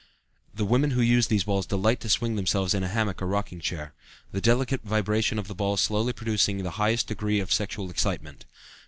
The women who use these balls delight to swing themselves in a hammock or rocking chair, the delicate vibration of the balls slowly producing the highest degree of sexual excitement.